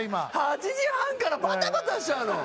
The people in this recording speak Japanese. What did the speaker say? ８時半からバタバタしちゃうの。